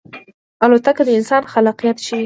الوتکه د انسان خلاقیت ښيي.